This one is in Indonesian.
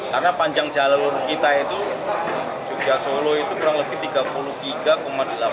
karena panjang jalur kita itu jogja solo itu kurang lebih tiga puluh tiga delapan